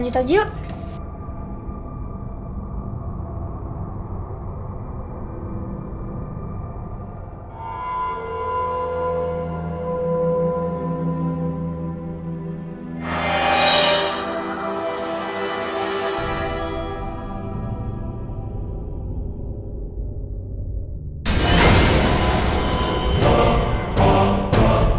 tidak ada yang bisa dipercaya